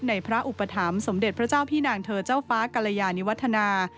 พระอุปถัมภ์สมเด็จพระเจ้าพี่นางเธอเจ้าฟ้ากรยานิวัฒนา